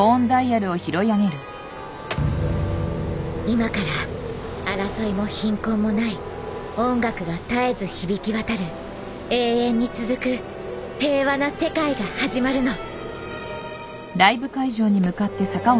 今から争いも貧困もない音楽が絶えず響き渡る永遠に続く平和な世界が始まるの。